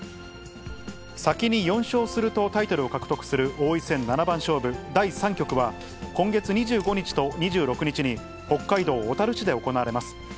先に４勝するとタイトルを獲得する王位戦七番勝負第３局は、今月２５日と２６日に、北海道小樽市で行われます。